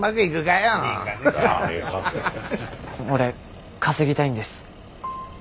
俺稼ぎたいんです。